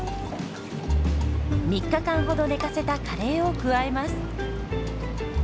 ３日間ほど寝かせたカレーを加えます。